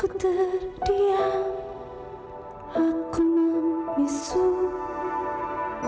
aku terdiam aku memisuh